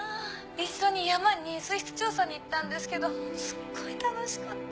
一緒に山に水質調査に行ったんですけどすっごい楽しかった。